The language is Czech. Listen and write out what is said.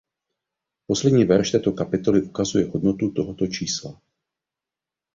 Poslední verš této kapitoly ukazuje hodnotu tohoto čísla.